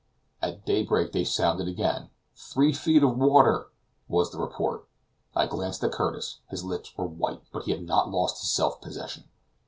At daybreak they sounded again "Three feet of water!" was the report. I glanced at Curtis his lips were white, but he had not lost his self possession.